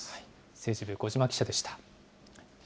政治部、小嶋記者でした。